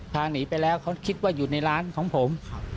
หนีไปแล้วเขาคิดว่าอยู่ในร้านของผม